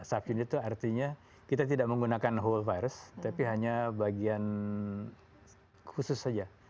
subin itu artinya kita tidak menggunakan whole virus tapi hanya bagian khusus saja